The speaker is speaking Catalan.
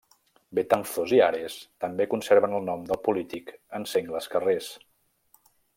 Betanzos i Ares també conserven el nom del polític en sengles carrers.